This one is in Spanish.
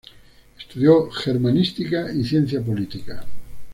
Estudió Germanística y Ciencia Política.